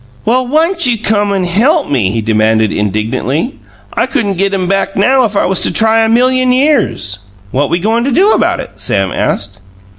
"Well, why'n't you come and help me?" he demanded indignantly. "I couldn't get him back now if I was to try a million years!" "What we goin' to do about it?" Sam asked.